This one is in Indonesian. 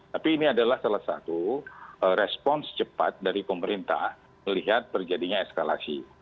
tapi ini adalah salah satu respons cepat dari pemerintah melihat perjadinya eskalasi